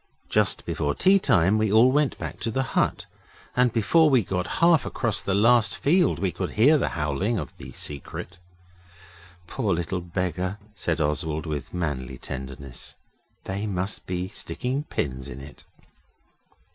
Just before tea time we all went back to the hut, and before we got half across the last field we could hear the howling of the Secret. 'Poor little beggar,' said Oswald, with manly tenderness. 'They must be sticking pins in it.